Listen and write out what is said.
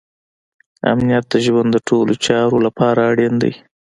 امنیت د ژوند د ټولو چارو لپاره اړین دی.